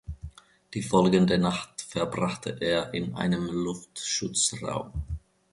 Die folgende Nacht verbrachte er in einem Luftschutzraum.